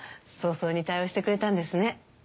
早々に対応してくれたんですね。